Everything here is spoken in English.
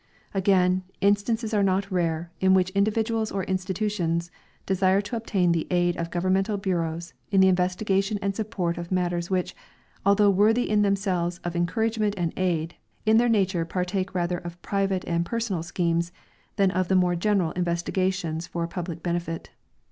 Again, instances are not rare in which individuals or institutions desire to obtain the aid of governmental bureaus in the investigation and support of matters which, although worthy in themselves of encouragement and aid, in their nature partake rather of private and personal schemes than of the more general investigations for the public benefit.